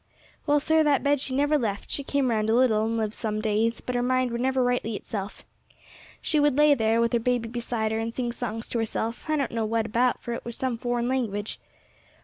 "Well, sir, that bed she never left; she came round a little, and lived some days, but her mind were never rightly itself again. She would lay there, with her baby beside her, and sing songs to herself; I don't know what about, for it were some foreign language.